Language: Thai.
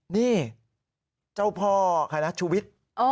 นี่เจ้าพ่อใครนะชุวิต